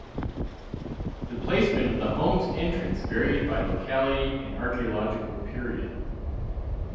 The placement of the home's entrance varied by locality and archaeological period.